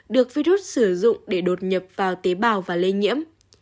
được virus sử dụng để đột nhập vào tế bào và lây nhiễm